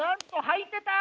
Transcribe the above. はいてた！